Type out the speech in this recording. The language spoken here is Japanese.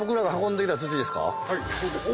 はいそうですね。